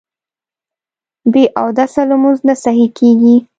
بې اودسه لمونځ نه صحیح کېږي